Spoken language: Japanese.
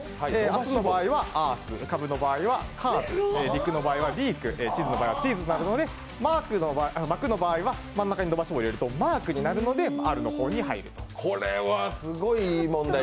明日の場合はアース、かぶの場合はカーブ、陸の場合はリーク、地図の場合はチーズになるので「巻く」の場合は真ん中に伸ばし棒入れると「マーク」になるのであるの方になると。